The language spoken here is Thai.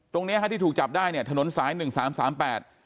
ตรงเนี้ยฮะที่ถูกจับได้เนี่ยถนนสายหนึ่งสามสามแปด